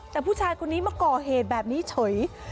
แต่ผู้ชายคนนี้มาก่อเหตุแบบนี้เฉย